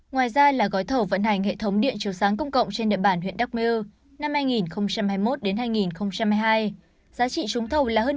ngoài ra gói thầu vận hành hệ thống điện chiều sáng công cộng trên địa bàn huyện đắk miu năm hai nghìn hai mươi một hai nghìn hai mươi hai giá trị trúng thầu hơn hai tám tỷ đồng